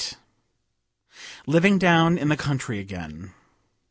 Living down in the country again.